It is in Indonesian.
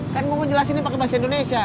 kan gue mau jelasin ini pakai bahasa indonesia